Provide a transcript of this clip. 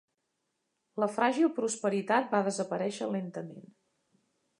La fràgil prosperitat va desaparèixer lentament.